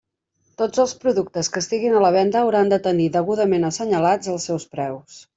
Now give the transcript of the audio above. Tots els productes que estiguin a la venda hauran de tenir degudament assenyalats els seus preus.